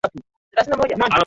Binamu anasongwa